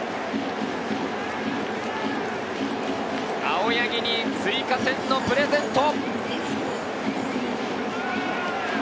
青柳に追加点のプレゼント。